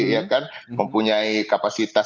ya kan mempunyai kapasitas